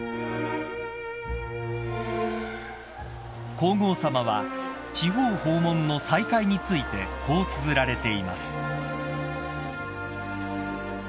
［皇后さまは地方訪問の再開についてこうつづられています］